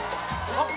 あっ！